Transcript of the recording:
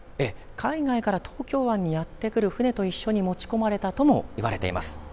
海外から東京湾にやって来る船と一緒に持ち込まれたともいわれています。